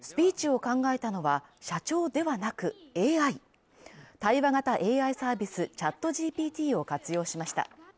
スピーチを考えたのは社長ではなく、ＡＩ対話型ＡＩサービスＣｈａｔＧＰＴを活用しました。